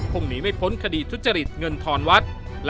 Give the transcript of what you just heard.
หนีไม่พ้นคดีทุจริตเงินทอนวัด